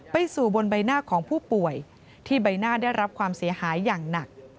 ไปสู่บนใบหน้าของผู้ป่วยที่ใบหน้าได้รับความเสียหายอย่างหนัก